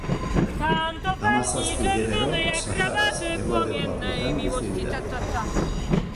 Hamazazpi genero Saharaz hegoaldeko Afrikan bizi dira.